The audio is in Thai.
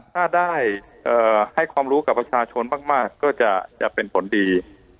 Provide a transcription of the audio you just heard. ถ้าได้ให้ความรู้กับประชาชนมากก็จะเป็นผลดี